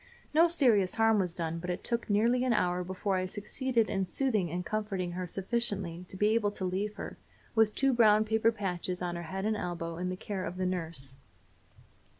No serious harm was done, but it took nearly an hour before I succeeded in soothing and comforting her sufficiently to be able to leave her, with two brown paper patches on her head and elbow, in the care of the nurse.